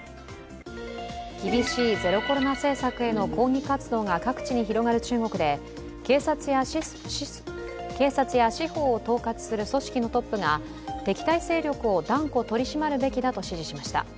厳しいゼロコロナ政策への抗議活動が各地に広がる中国で警察や司法を統括する組織のトップが敵対勢力を断固取り締まるべきだと支持しました。